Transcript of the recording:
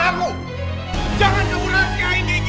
jangan kamu rahasiakan dia gini nel